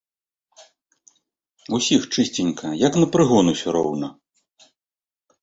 Усіх чысценька, як на прыгон усё роўна.